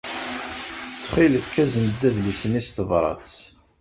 Ttxil-k, azen-d adlis-nni s tebṛat.